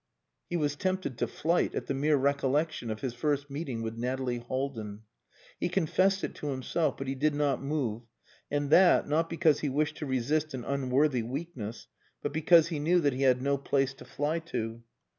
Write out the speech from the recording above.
He was tempted to flight at the mere recollection of his first meeting with Nathalie Haldin. He confessed it to himself; but he did not move, and that not because he wished to resist an unworthy weakness, but because he knew that he had no place to fly to.